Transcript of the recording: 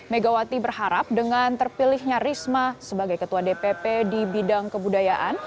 megawati berharap dengan terpilihnya risma sebagai ketua dpp di bidang kebudayaan